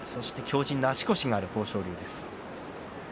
そして、強じんな足腰のある豊昇龍です。